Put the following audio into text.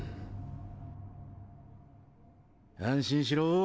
安心しろ。